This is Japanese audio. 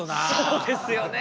そうですよね。